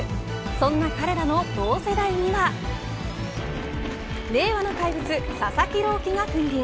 そんな彼らの同世代には令和の怪物、佐々木朗希が君臨。